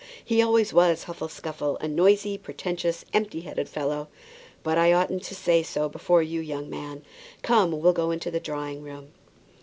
He always was Huffle Scuffle; a noisy, pretentious, empty headed fellow. But I oughtn't to say so before you, young man. Come, we'll go into the drawing room."